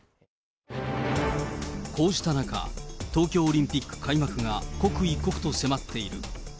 こうした中、東京オリンピック開幕が刻一刻と迫っている。